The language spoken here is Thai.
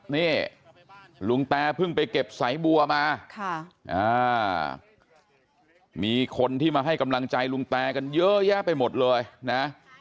นี่ลุงแตเพิ่งไปเก็บสายบัวมามีคนที่มาให้กำลังใจลุงแตกันเยอะแยะไปหมดเลยนะ